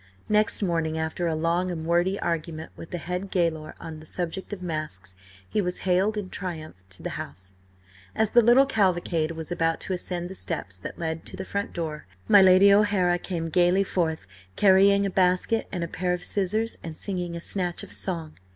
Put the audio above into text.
Next morning, after a long and wordy argument with the head gaoler on the subject of masks, he was haled in triumph to the house. As the little cavalcade was about to ascend the steps that led to the front door, my Lady O'Hara came gaily forth carrying a basket and a pair of scissors, and singing a snatch of song.